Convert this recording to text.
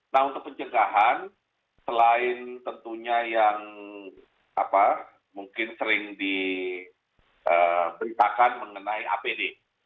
nah untuk pencegahan selain tentunya yang mungkin sering diberitakan mengenai apd